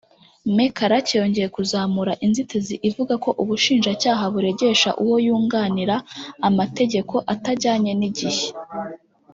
Me Karake yongeye kuzamura inzitizi ivuga ko ubushinjacyaha buregesha uwo yunganira amategeko atajyanye n’igihe